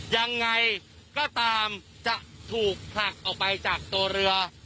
ยังไงก็ตามจะถูกผลักออกไปจากตัวเรือ